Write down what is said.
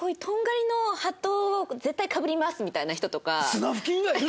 スナフキン以外いる？